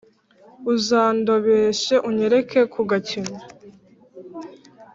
Uzandobeshe unyereke ku gakino